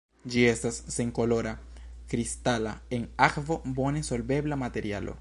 Ĝi estas senkolora, kristala, en akvo bone solvebla materialo.